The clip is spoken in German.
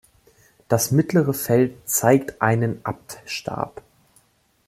Das mittlere Feld zeigt einen Abtstab.